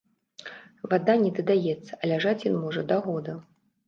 Вада не дадаецца, а ляжаць ён можа да года.